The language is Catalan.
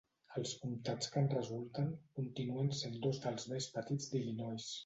Els comtats que en resulten continuen sent dos dels més petits d'Illinois.